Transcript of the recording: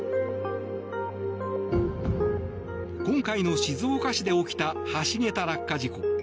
今回の、静岡市で起きた橋桁落下事故。